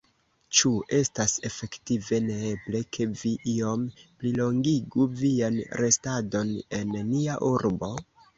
Ĉu estas efektive neeble, ke vi iom plilongigu vian restadon en nia urbo?